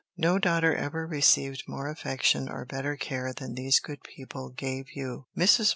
No daughter ever received more affection or better care than these good people gave you. Mrs.